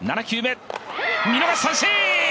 見逃し三振！